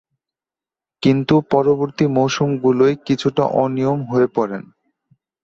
কিন্তু পরবর্তী মৌসুমগুলোয় কিছুটা অনিয়মিত হয়ে পড়েন।